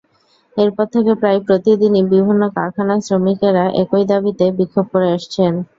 এরপর থেকে প্রায় প্রতিদিনই বিভিন্ন কারখানার শ্রমিকেরা একই দাবিতে বিক্ষোভ করে আসছেন।